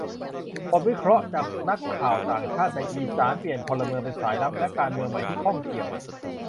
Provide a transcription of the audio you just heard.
บทวิเคราะห์จากนักข่าวต่างชาติในอีสาน : เปลี่ยนพลเมืองเป็นสายลับ และการเมืองใหม่ที่ข้องเกี่ยว